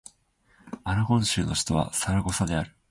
アラゴン州の州都はサラゴサである